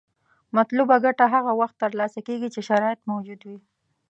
مطلوبه ګټه هغه وخت تر لاسه کیږي چې شرایط موجود وي.